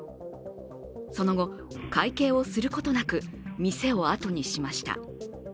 その後、会計をすることなく店をあとにしました。